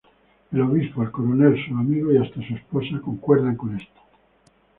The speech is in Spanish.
El obispo, el coronel, sus amigos y hasta su esposa concuerdan con esto.